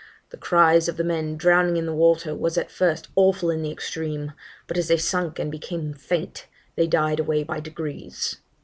The cries of the men drowning in the water was at first awful in the extreme; but as they sunk and became faint, they died away by degrees.'